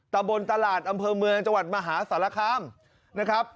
ตะบนตลาดอำเภอเมืองจังหวัดมหาสารคามนะครับ